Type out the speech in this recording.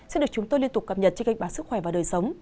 sẽ được chúng tôi liên tục cập nhật trên kịch bản sức khỏe và đời sống